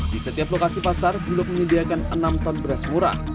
di setiap lokasi pasar bulog menyediakan enam ton beras murah